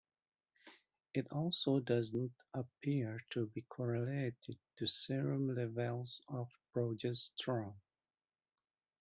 It also does not appear to be correlated to serum levels of progesterone.